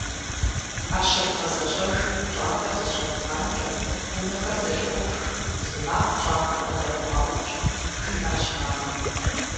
«ӏэщыр вгъэзэщӏэж, пщӏантӏэр зэщӏэфпхъанкӏэ, унэхэр зэлъыӏуфх, зы макъ пщӏантӏэм къыдэвмыгъэӏук», - жиӏащ мамэ.